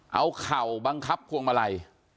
เอาเข่าบังคับพวงมาลัย